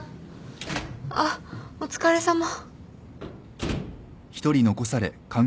あっお疲れさま。